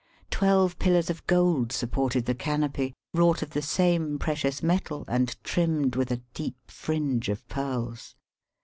Twelve pillars of gold supported the canopy, wrought of the same precious metal and trimmed with a deep fringe of pearls.